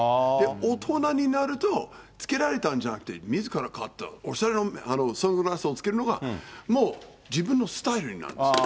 大人になると、つけられたんじゃなくて、みずから買ったおしゃれなサングラスをつけるのがもう自分のスタイルになるんですよ。